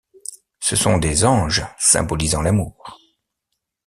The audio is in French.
Ce sont des anges symbolisant l'amour.